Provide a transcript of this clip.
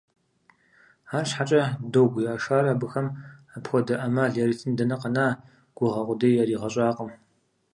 АрщхьэкӀэ Догу Яшар абыхэм апхуэдэ Ӏэмал яритын дэнэ къэна, гугъэ къудеи яригъэщӀакъым.